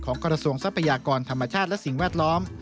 กระทรวงทรัพยากรธรรมชาติและสิ่งแวดล้อม